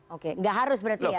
oke nggak harus berarti ya